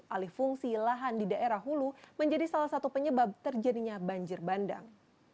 alih fungsi lahan di daerah hulu menjadi salah satu penyebab terjadinya banjir bandang